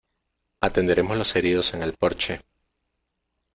Atenderemos los heridos en el porche.